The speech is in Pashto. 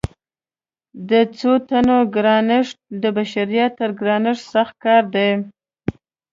د څو تنو ګرانښت د بشریت تر ګرانښت سخت کار دی.